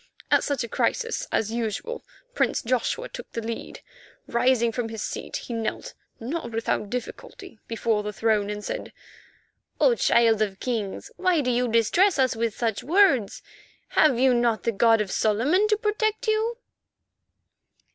At such a crisis, as usual, Prince Joshua took the lead. Rising from his seat, he knelt, not without difficulty, before the throne, and said: "O Child of Kings, why do you distress us with such words? Have you not the God of Solomon to protect you?"